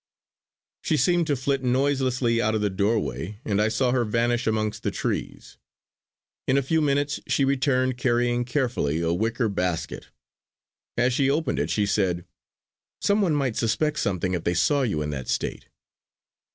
she seemed to flit noiselessly out of the doorway and I saw her vanish amongst the trees. In a few minutes she returned carrying carefully a wicker basket. As she opened it she said: "Some one might suspect something if they saw you in that state."